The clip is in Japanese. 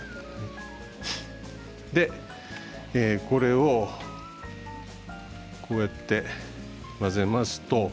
これを、こうやって混ぜますと。